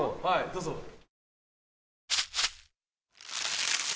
はいどうぞ。